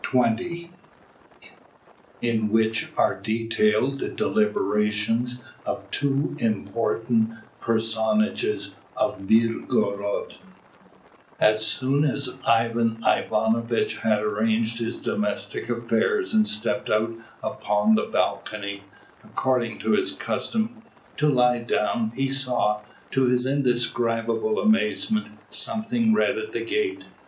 CHAPTER V IN WHICH ARE DETAILED THE DELIBERATIONS OF TWO IMPORTANT PERSONAGES OF MIRGOROD As soon as Ivan Ivanovitch had arranged his domestic affairs and stepped out upon the balcony, according to his custom, to lie down, he saw, to his indescribable amazement, something red at the gate.